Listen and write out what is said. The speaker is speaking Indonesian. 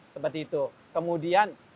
seperti itu kemudian